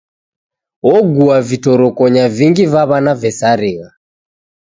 Ogua vitorokonya vingi va w'ana vesarigha.